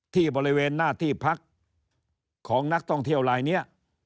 ที่บริเวณหน้าที่พักของนักท่องเที่ยวลายนี้